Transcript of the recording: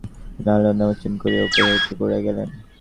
তিনি আল্লার নাম উচ্চারণ করিয়া উপর হইতে পড়িয়া গেলেন।